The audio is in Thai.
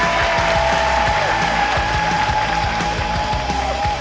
เย่ว่ะ